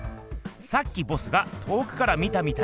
さっきボスが遠くから見たみたいにすると。